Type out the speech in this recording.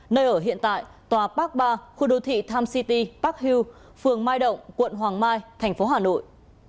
nơi ở hiện tại tòa park ba khu đô thị tham city park hill phường mai động quận hoàng mai thành phố hà nội